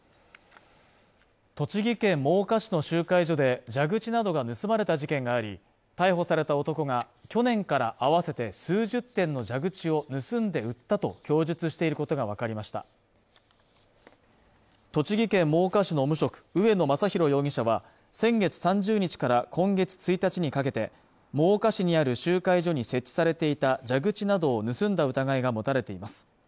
栃木県真岡市の集会所で蛇口などが盗まれた事件があり逮捕された男が去年から合わせて数十点の蛇口を盗んで売ったと供述していることが分かりました栃木県真岡市の無職上野尚弘容疑者は先月３０日から今月１日にかけて真岡市にある集会所に設置されていた蛇口などを盗んだ疑いが持たれています